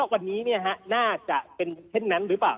วันนี้น่าจะเป็นเช่นนั้นหรือเปล่า